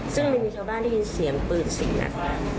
ซึ่งมันมีชาวบ้านที่ยินเสียงปืนสิ่งหนัก